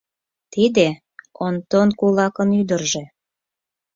Тиде — Онтон кулакын ӱдыржӧ.